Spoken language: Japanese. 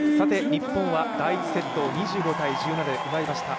日本は第１セット、２５−１７で奪いました。